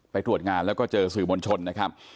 ตรวจงานแล้วก็เจอสื่อมวลชนนะครับ